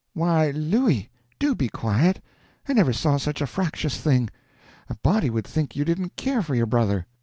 "Why, Looy! Do be quiet; I never saw such a fractious thing. A body would think you didn't care for your brother."